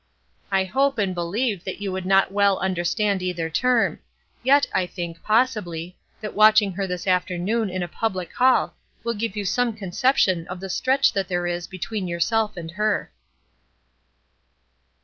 I hope and believe that you would not well understand either term; yet, I think, possibly, that watching her this afternoon in a public hall will give you some conception of the stretch that there is between yourself and her."